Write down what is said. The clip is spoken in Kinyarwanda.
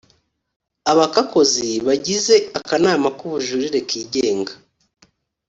abakakozi bagize akanama k’ubujurire kigenga